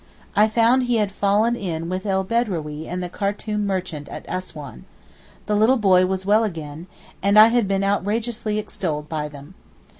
I found he had fallen in with El Bedrawee and the Khartoum merchant at Assouan. The little boy was well again, and I had been outrageously extolled by them.